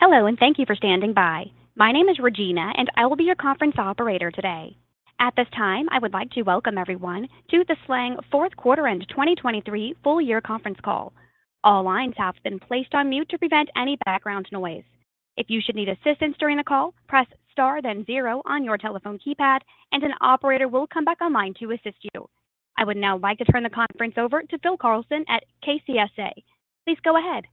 Hello and thank you for standing by. My name is Regina, and I will be your conference operator today. At this time, I would like to welcome everyone to the SLANG Fourth Quarter and 2023 Full Year Conference Call. All lines have been placed on mute to prevent any background noise. If you should need assistance during the call, press star then zero on your telephone keypad, and an operator will come back online to assist you. I would now like to turn the conference over to Phil Carlson at KCSA. Please go ahead.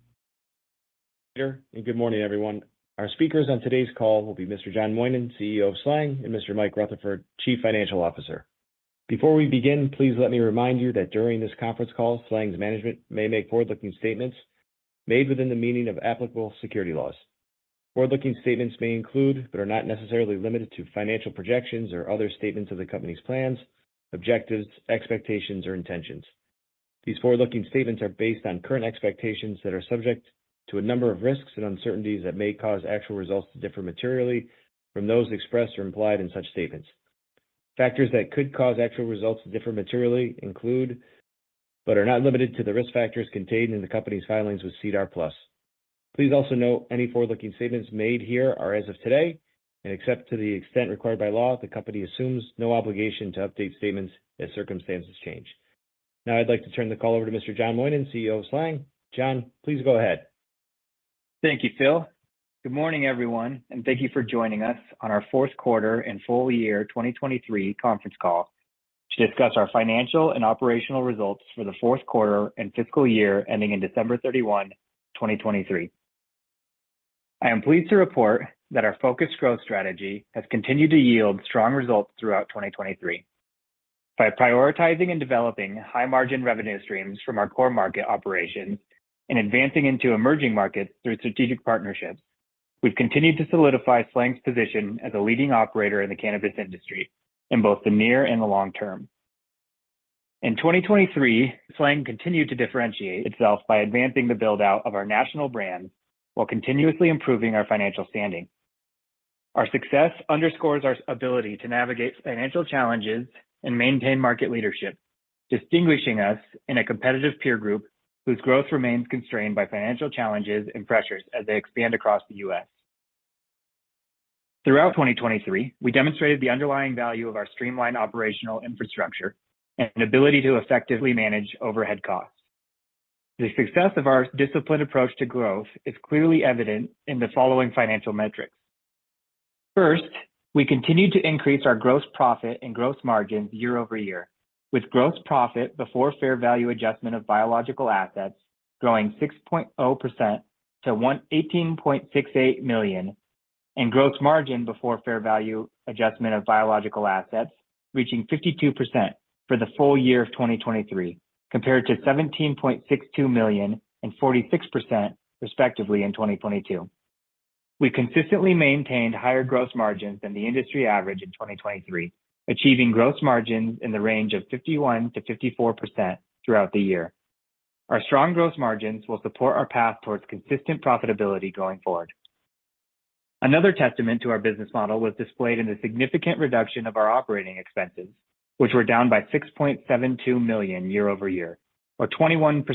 Greetings, and good morning, everyone. Our speakers on today's call will be Mr. John Moynan, CEO of SLANG, and Mr. Mike Rutherford, Chief Financial Officer. Before we begin, please let me remind you that during this conference call, SLANG's management may make forward-looking statements made within the meaning of applicable securities laws. Forward-looking statements may include but are not necessarily limited to financial projections or other statements of the company's plans, objectives, expectations, or intentions. These forward-looking statements are based on current expectations that are subject to a number of risks and uncertainties that may cause actual results to differ materially from those expressed or implied in such statements. Factors that could cause actual results to differ materially include but are not limited to the risk factors contained in the company's filings with SEDAR+. Please also note any forward-looking statements made here are as of today, and except to the extent required by law, the company assumes no obligation to update statements as circumstances change. Now I'd like to turn the call over to Mr. John Moynan, CEO of Slang. John, please go ahead. Thank you, Phil. Good morning, everyone, and thank you for joining us on our Fourth Quarter and Full Year 2023 Conference Call to discuss our financial and operational results for the Fourth Quarter and Fiscal Year ending in December 31, 2023. I am pleased to report that our focused growth strategy has continued to yield strong results throughout 2023. By prioritizing and developing high-margin revenue streams from our core market operations and advancing into emerging markets through strategic partnerships, we've continued to solidify Slang's position as a leading operator in the cannabis industry in both the near and the long term. In 2023, Slang continued to differentiate itself by advancing the build-out of our national brand while continuously improving our financial standing. Our success underscores our ability to navigate financial challenges and maintain market leadership, distinguishing us in a competitive peer group whose growth remains constrained by financial challenges and pressures as they expand across the U.S. Throughout 2023, we demonstrated the underlying value of our streamlined operational infrastructure and ability to effectively manage overhead costs. The success of our disciplined approach to growth is clearly evident in the following financial metrics. First, we continued to increase our gross profit and gross margins year over year, with gross profit before fair value adjustment of biological assets growing 6.0% to $18.68 million, and gross margin before fair value adjustment of biological assets reaching 52% for the full year of 2023, compared to $17.62 million and 46% respectively in 2022. We consistently maintained higher gross margins than the industry average in 2023, achieving gross margins in the range of 51% to 54% throughout the year. Our strong gross margins will support our path towards consistent profitability going forward. Another testament to our business model was displayed in the significant reduction of our operating expenses, which were down by $6.72 million year-over-year, or 21%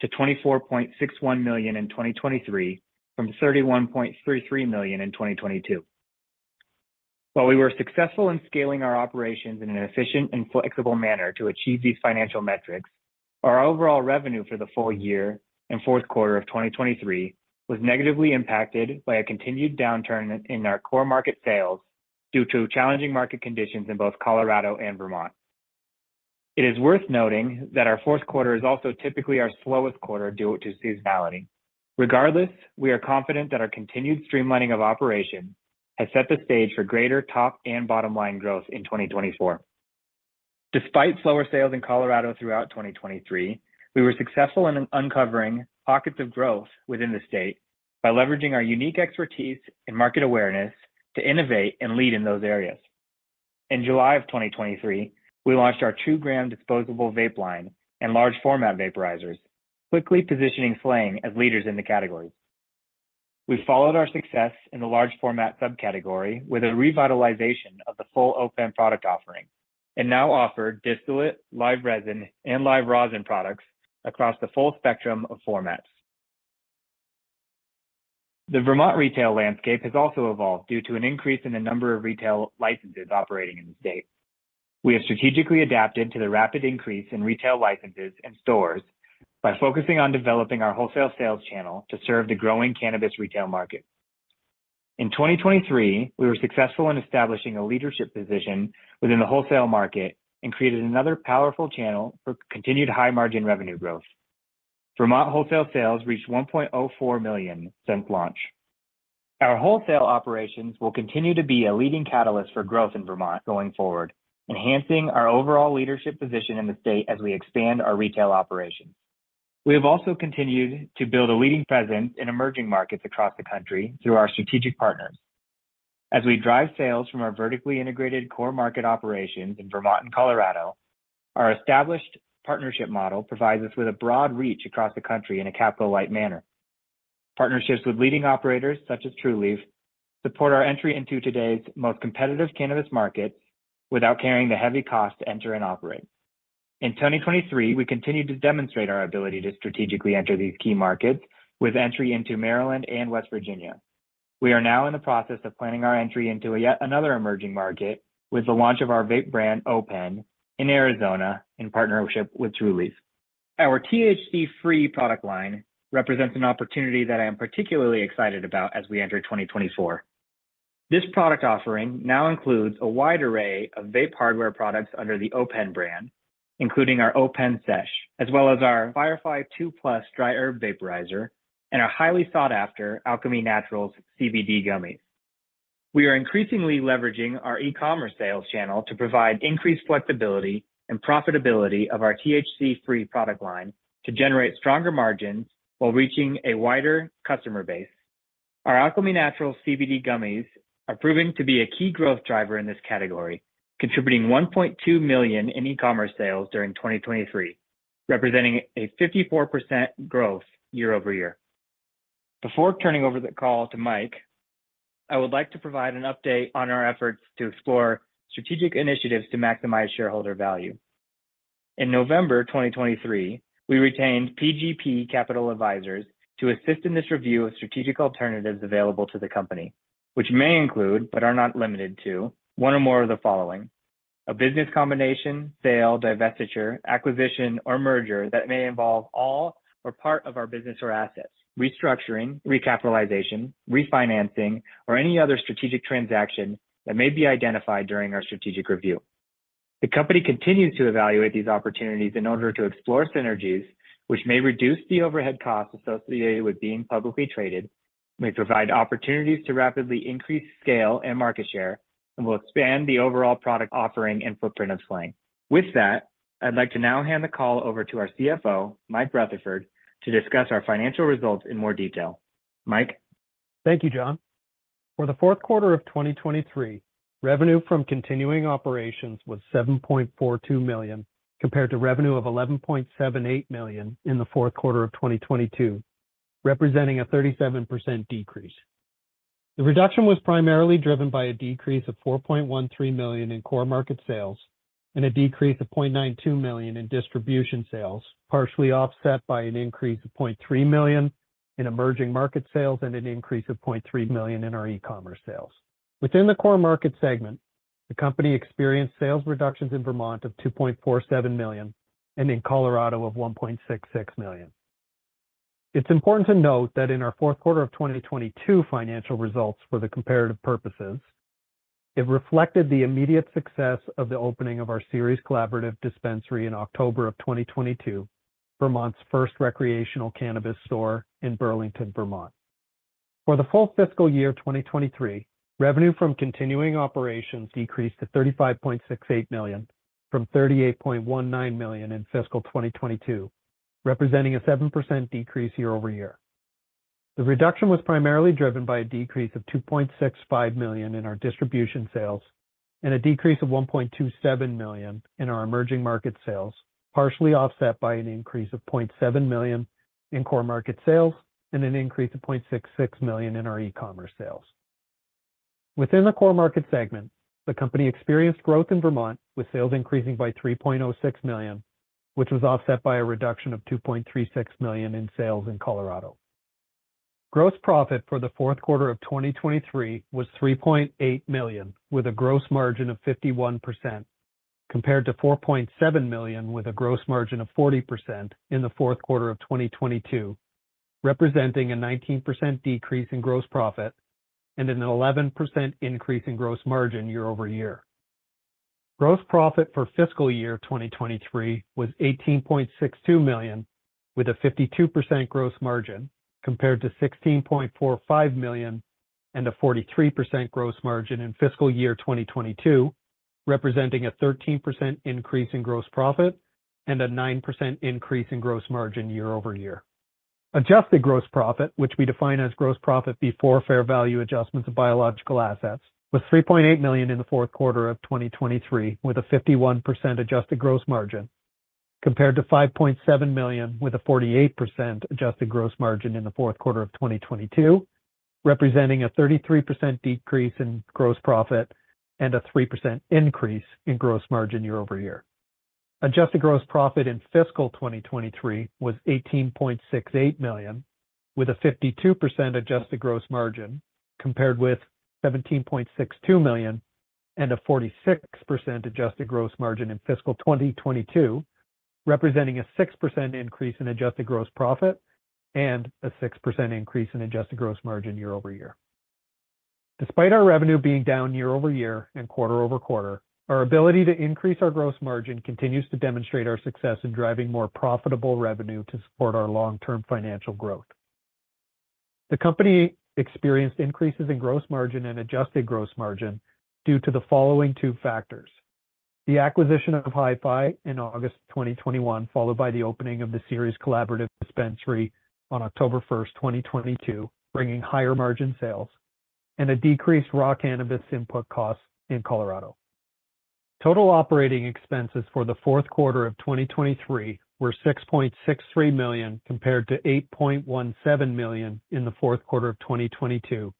to $24.61 million in 2023 from $31.33 million in 2022. While we were successful in scaling our operations in an efficient and flexible manner to achieve these financial metrics, our overall revenue for the full year and Fourth Quarter of 2023 was negatively impacted by a continued downturn in our core market sales due to challenging market conditions in both Colorado and Vermont. It is worth noting that our Fourth Quarter is also typically our slowest quarter due to seasonality. Regardless, we are confident that our continued streamlining of operations has set the stage for greater top and bottom line growth in 2024. Despite slower sales in Colorado throughout 2023, we were successful in uncovering pockets of growth within the state by leveraging our unique expertise and market awareness to innovate and lead in those areas. In July of 2023, we launched our 2-gram disposable vape line and large-format vaporizers, quickly positioning SLANG as leaders in the categories. We followed our success in the large-format subcategory with a revitalization of the full O.pen product offering and now offer distillate, live resin, and live rosin products across the full spectrum of formats. The Vermont retail landscape has also evolved due to an increase in the number of retail licenses operating in the state. We have strategically adapted to the rapid increase in retail licenses and stores by focusing on developing our wholesale sales channel to serve the growing cannabis retail market. In 2023, we were successful in establishing a leadership position within the wholesale market and created another powerful channel for continued high-margin revenue growth. Vermont wholesale sales reached $1.04 million since launch. Our wholesale operations will continue to be a leading catalyst for growth in Vermont going forward, enhancing our overall leadership position in the state as we expand our retail operations. We have also continued to build a leading presence in emerging markets across the country through our strategic partners. As we drive sales from our vertically integrated core market operations in Vermont and Colorado, our established partnership model provides us with a broad reach across the country in a capital-light manner. Partnerships with leading operators such as Trulieve support our entry into today's most competitive cannabis markets without carrying the heavy cost to enter and operate. In 2023, we continued to demonstrate our ability to strategically enter these key markets with entry into Maryland and West Virginia. We are now in the process of planning our entry into yet another emerging market with the launch of our vape brand O.pen in Arizona in partnership with Trulieve. Our THC-free product line represents an opportunity that I am particularly excited about as we enter 2024. This product offering now includes a wide array of vape hardware products under the O.pen brand, including our O.pen SESH, as well as our Firefly 2+ dry herb vaporizer and our highly sought-after Alchemy Naturals CBD gummies. We are increasingly leveraging our e-commerce sales channel to provide increased flexibility and profitability of our THC-free product line to generate stronger margins while reaching a wider customer base. Our Alchemy Naturals CBD gummies are proving to be a key growth driver in this category, contributing $1.2 million in e-commerce sales during 2023, representing a 54% growth year-over-year. Before turning over the call to Mike, I would like to provide an update on our efforts to explore strategic initiatives to maximize shareholder value. In November 2023, we retained PGP Capital Advisors to assist in this review of strategic alternatives available to the company, which may include but are not limited to one or more of the following: a business combination, sale, divestiture, acquisition, or merger that may involve all or part of our business or assets, restructuring, recapitalization, refinancing, or any other strategic transaction that may be identified during our strategic review. The company continues to evaluate these opportunities in order to explore synergies, which may reduce the overhead costs associated with being publicly traded, may provide opportunities to rapidly increase scale and market share, and will expand the overall product offering and footprint of Slang. With that, I'd like to now hand the call over to our CFO, Mike Rutherford, to discuss our financial results in more detail. Mike? Thank you, John. For the Fourth Quarter of 2023, revenue from continuing operations was $7.42 million compared to revenue of $11.78 million in the Fourth Quarter of 2022, representing a 37% decrease. The reduction was primarily driven by a decrease of $4.13 million in core market sales and a decrease of $0.92 million in distribution sales, partially offset by an increase of $0.3 million in emerging market sales and an increase of $0.3 million in our e-commerce sales. Within the core market segment, the company experienced sales reductions in Vermont of $2.47 million and in Colorado of $1.66 million. It's important to note that in our Fourth Quarter of 2022 financial results for the comparative purposes, it reflected the immediate success of the opening of our Ceres Collaborative dispensary in October of 2022, Vermont's first recreational cannabis store in Burlington, Vermont. For the full Fiscal Year 2023, revenue from continuing operations decreased to $35.68 million from $38.19 million in Fiscal 2022, representing a 7% decrease year-over-year. The reduction was primarily driven by a decrease of $2.65 million in our distribution sales and a decrease of $1.27 million in our emerging market sales, partially offset by an increase of $0.7 million in core market sales and an increase of $0.66 million in our E-commerce sales. Within the core market segment, the company experienced growth in Vermont with sales increasing by $3.06 million, which was offset by a reduction of $2.36 million in sales in Colorado. Gross profit for the Fourth Quarter of 2023 was $3.8 million, with a gross margin of 51% compared to $4.7 million, with a gross margin of 40% in the Fourth Quarter of 2022, representing a 19% decrease in gross profit and an 11% increase in gross margin year-over-year. Gross profit for Fiscal Year 2023 was $18.62 million, with a 52% gross margin compared to $16.45 million and a 43% gross margin in Fiscal Year 2022, representing a 13% increase in gross profit and a 9% increase in gross margin year-over-year. Adjusted gross profit, which we define as gross profit before fair value adjustments of biological assets, was $3.8 million in the Fourth Quarter of 2023, with a 51% adjusted gross margin compared to $5.7 million, with a 48% adjusted gross margin in the Fourth Quarter of 2022, representing a 33% decrease in gross profit and a 3% increase in gross margin year-over-year. Adjusted gross profit in Fiscal 2023 was $18.68 million, with a 52% adjusted gross margin compared with $17.62 million and a 46% adjusted gross margin in Fiscal 2022, representing a 6% increase in adjusted gross profit and a 6% increase in adjusted gross margin year-over-year. Despite our revenue being down year-over-year and quarter-over-quarter, our ability to increase our gross margin continues to demonstrate our success in driving more profitable revenue to support our long-term financial growth. The company experienced increases in gross margin and adjusted gross margin due to the following two factors: the acquisition of Hi-Fi in August 2021, followed by the opening of the Ceres Collaborative dispensary on October 1, 2022, bringing higher margin sales and a decrease in raw cannabis input costs in Colorado. Total operating expenses for the Fourth Quarter of 2023 were $6.63 million compared to $8.17 million in the Fourth Quarter of 2022,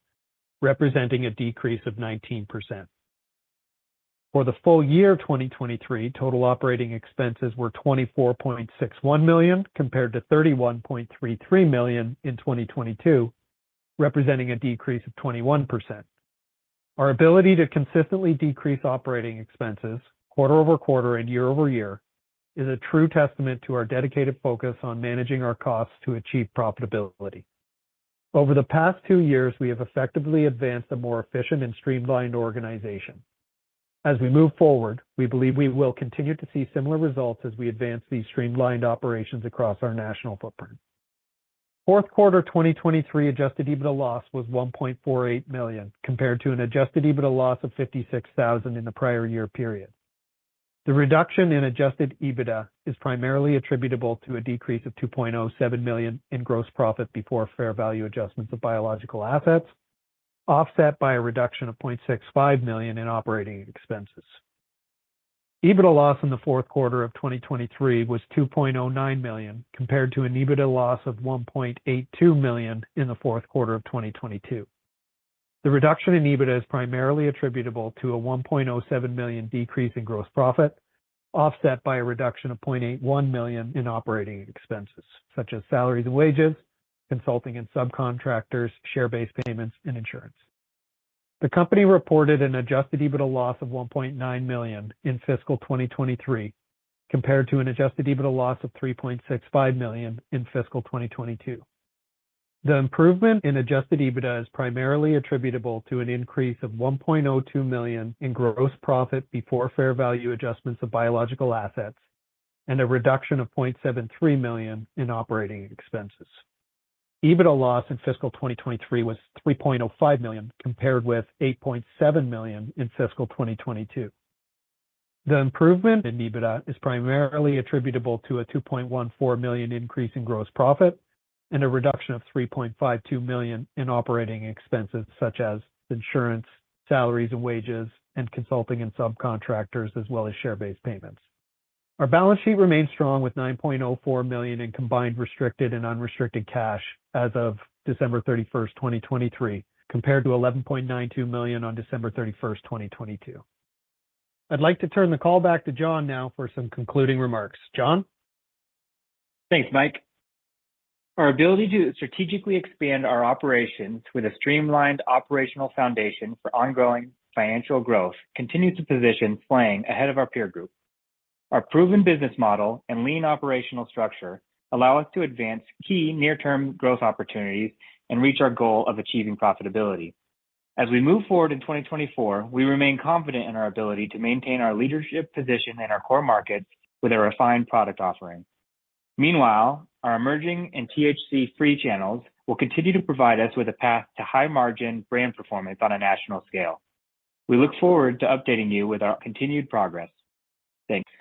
representing a decrease of 19%. For the full year of 2023, total operating expenses were $24.61 million compared to $31.33 million in 2022, representing a decrease of 21%. Our ability to consistently decrease operating expenses quarter-over-quarter and year-over-year is a true testament to our dedicated focus on managing our costs to achieve profitability. Over the past two years, we have effectively advanced a more efficient and streamlined organization. As we move forward, we believe we will continue to see similar results as we advance these streamlined operations across our national footprint. Fourth Quarter 2023 Adjusted EBITDA loss was $1.48 million compared to an Adjusted EBITDA loss of $56,000 in the prior year period. The reduction in Adjusted EBITDA is primarily attributable to a decrease of $2.07 million in gross profit before fair value adjustments of biological assets, offset by a reduction of $0.65 million in operating expenses. EBITDA loss in the Fourth Quarter of 2023 was $2.09 million compared to an EBITDA loss of $1.82 million in the Fourth Quarter of 2022. The reduction in EBITDA is primarily attributable to a $1.07 million decrease in gross profit, offset by a reduction of $0.81 million in operating expenses such as salaries and wages, consulting and subcontractors, share-based payments, and insurance. The company reported an Adjusted EBITDA loss of $1.9 million in Fiscal 2023 compared to an Adjusted EBITDA loss of $3.65 million in Fiscal 2022. The improvement in Adjusted EBITDA is primarily attributable to an increase of $1.02 million in gross profit before fair value adjustments of biological assets and a reduction of $0.73 million in operating expenses. EBITDA loss in Fiscal 2023 was $3.05 million compared with $8.7 million in Fiscal 2022. The improvement in EBITDA is primarily attributable to a $2.14 million increase in gross profit and a reduction of $3.52 million in operating expenses such as insurance, salaries and wages, and consulting and subcontractors, as well as share-based payments. Our balance sheet remains strong with $9.04 million in combined restricted and unrestricted cash as of December 31, 2023, compared to $11.92 million on December 31, 2022. I'd like to turn the call back to John now for some concluding remarks. John? Thanks, Mike. Our ability to strategically expand our operations with a streamlined operational foundation for ongoing financial growth continues to position Slang ahead of our peer group. Our proven business model and lean operational structure allow us to advance key near-term growth opportunities and reach our goal of achieving profitability. As we move forward in 2024, we remain confident in our ability to maintain our leadership position in our core markets with a refined product offering. Meanwhile, our emerging and THC-free channels will continue to provide us with a path to high-margin brand performance on a national scale. We look forward to updating you with our continued progress. Thanks.